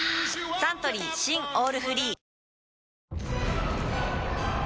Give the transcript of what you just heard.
サントリー新「オールフリー」